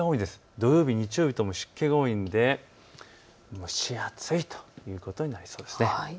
土曜日日曜日とも湿気が多いので蒸し暑いということになりそうです。